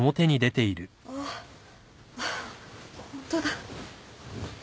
あっホントだ。